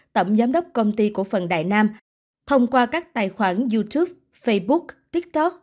tổng giám đốc công ty cổ phần đại nam thông qua các tài khoản youtube facebook tiktok